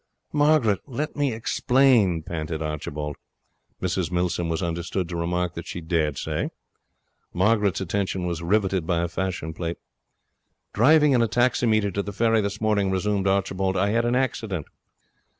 'Margaret, let me explain,' panted Archibald. Mrs Milsom was understood to remark that she dared say. Margaret's attention was riveted by a fashion plate. 'Driving in a taximeter to the ferry this morning,' resumed Archibald, 'I had an accident.'